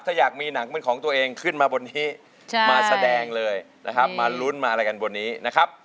ถ้าอยากมีหนังเป็นของตัวเองขึ้นมาบนนี้มาแสดงเลยนะครับมาลุ้นมาอะไรกันบนนี้นะครับ